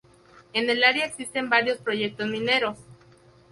En el área existen varios proyectos mineros.